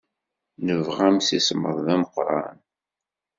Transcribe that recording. Nebɣa imsismeḍ d ameqran.